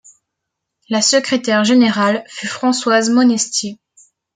La secrétaire générale fut Françoise Monestier.